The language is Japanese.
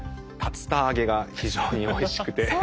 竜田揚げが非常においしくて。